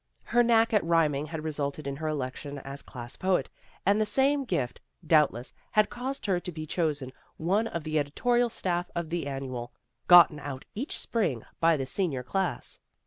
Her knack at rhyming had resulted in her election as class poet, and the same gift, doubtless, had caused her to be chosen one of the editorial staff of the Annual, gotten out each spring by the senior class.